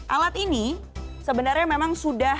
alat ini sebenarnya memang sudah